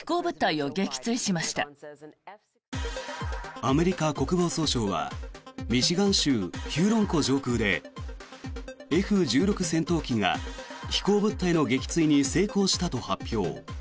アメリカ国防総省はミシガン州・ヒューロン湖上空でＦ１６戦闘機が飛行物体の撃墜に成功したと発表。